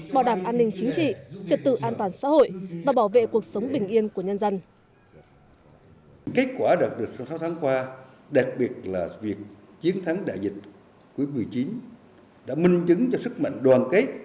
bảo đảm an ninh chính trị trật tự an toàn xã hội và bảo vệ cuộc sống bình yên của nhân dân